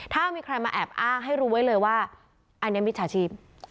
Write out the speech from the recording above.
ถ้ามีใครมาแอบอ้างให้รู้ไว้เลยว่าอันนี้มิจฉาชีพ